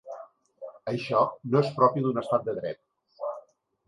Això no és propi d’un estat de dret.